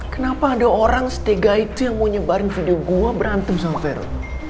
kenapa ada orang setiga itu yang mau nyebarin video gua berantem sama vero